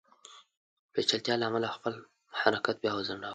پېچلتیا له امله خپل حرکت بیا وځنډاوه.